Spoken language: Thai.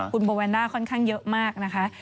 คุณโบแวนด้าค่อนข้างเยอะมากนะคะ